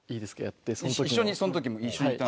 一緒にその時も一緒にいた。